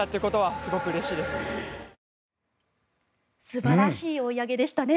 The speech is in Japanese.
素晴らしい追い上げでしたね。